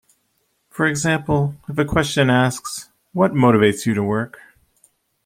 For example, if a question asks, What motivates you to work?